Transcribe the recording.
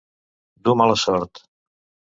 Dur mala sort.